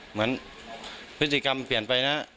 เหมือนพฤติกรรมเปลี่ยนไปนะ